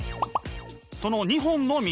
その２本の道。